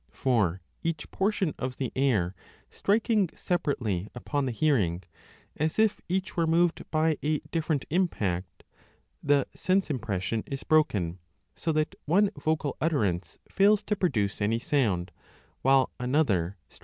For each portion of the air striking separately upon the hearing as if each were moved by a different 5 impact the sense impression is broken, so that one vocal utterance fails to produce any sound, while another strikes 1 803 a 25.